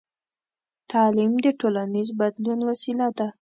تعلیم د ټولنیز بدلون وسیله ده.